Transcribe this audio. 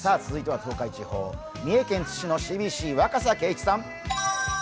続いては東海地方三重県津市のＣＢＣ・若狭敬一さん。